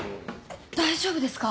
大丈夫ですか？